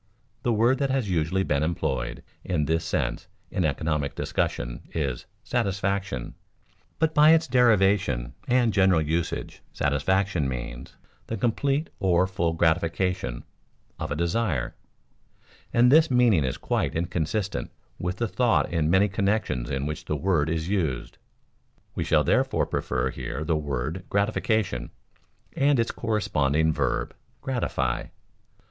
The word that has usually been employed in this sense in economic discussion is "satisfaction"; but by its derivation and general usage satisfaction means "the complete or full gratification" of a desire, and this meaning is quite inconsistent with the thought in many connections in which the word is used. We shall therefore prefer here the word gratification, and its corresponding verb, gratify.